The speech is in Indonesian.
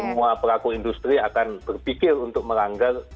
semua pelaku industri akan berpikir untuk melanggar